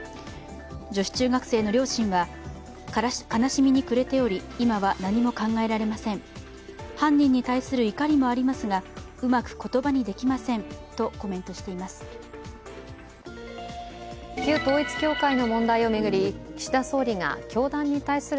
女子中学生の両親は、悲しみに暮れており今は何も考えられません、犯人に対する怒りもありますがうまく言葉にできませんとコメントしています。